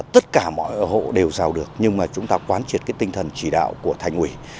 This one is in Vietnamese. tất cả mọi hộ đều giàu được nhưng chúng ta quán triệt tinh thần chỉ đạo của thành ủy